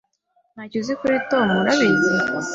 Ntacyo uzi kuri Tom, urabizi?